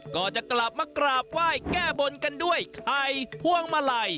ก็จะกลับมากราบไหว้แก้บนกันด้วยไข่พวงมาลัย